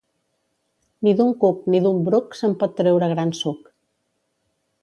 Ni d'un cuc ni d'un bruc se'n pot treure gran suc.